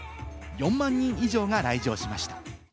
４万人以上が来場しました。